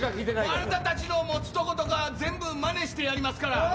あなたたちの持つとことか、みんなまねしてやりますから。